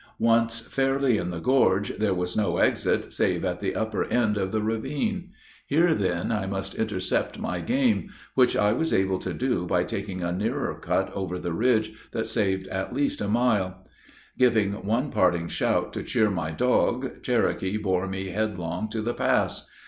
Once fairly in the gorge, there was no exit save at the upper end of the ravine. Here, then, I must intercept my game, which I was able to do by taking a nearer cut over the ridge, that saved at least a mile. "Giving one parting shout to cheer my dog, Cherokee bore me headlong to the pass.